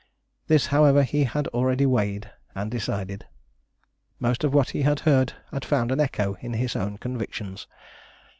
This, however, he had already weighed and decided. Most of what he had heard had found an echo in his own convictions.